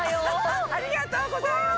ありがとうございます！